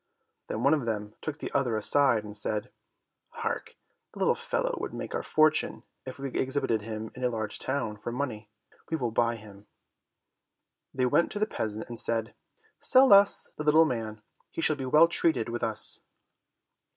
Then one of them took the other aside and said, "Hark, the little fellow would make our fortune if we exhibited him in a large town, for money. We will buy him." They went to the peasant and said, "Sell us the little man. He shall be well treated with us."